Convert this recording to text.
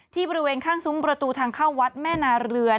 บริเวณข้างซุ้มประตูทางเข้าวัดแม่นาเรือ